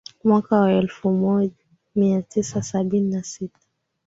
Mwaka wa elfu moja mia tisa sabini na sita